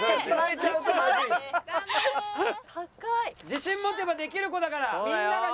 自信持てばできる子だから。